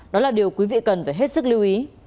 đó là điều quý vị cần phải hết sức lưu ý